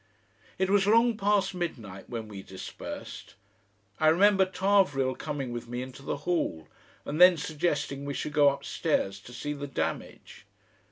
It was long past midnight when we dispersed. I remember Tarvrille coming with me into the hall, and then suggesting we should go upstairs to see the damage.